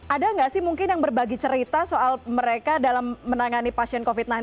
ada nggak sih mungkin yang berbagi cerita soal mereka dalam menangani pasien covid sembilan belas